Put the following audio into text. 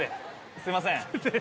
すいません